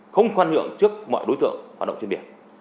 không khoan nhượng trước mọi đối tượng hoạt động trên biển